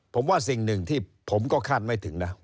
ผมว่าสิ่งหนึ่งที่ผมก็คาดไม่ถึงนะ